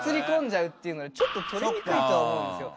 じゃうっていうのでちょっと撮りにくいと思うんですよ